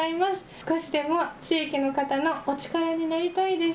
少しでも地域の方のお力になりたいです。